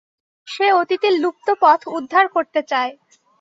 সে অতীতের লুপ্ত পথ উদ্ধার করতে চায়।